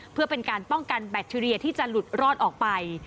เพื่อเป็นการป้องกันแบคทีเรียที่จะหลุดรอดออกไป